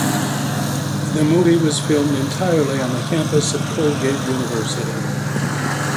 The movie was filmed entirely on the campus of Colgate University.